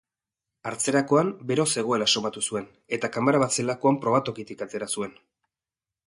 Hartzerakoan, bero zegoela somatu zuen eta kamara bat zelakoan probatokitik atera zuen.